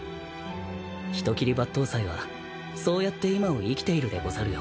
人斬り抜刀斎はそうやって今を生きているでござるよ。